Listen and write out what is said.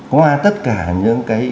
qua tất cả những cái